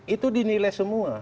itu dinilai semua